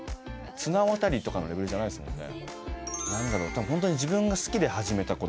綱渡りとかのレベルじゃないですもんね。